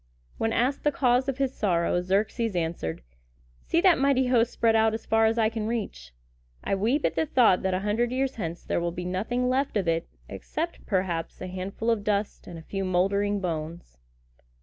When asked the cause of his sorrow, Xerxes answered, "See that mighty host spread out as far as eye can reach! I weep at the thought that a hundred years hence there will be nothing left of it except, perhaps, a handful of dust and a few moldering bones!"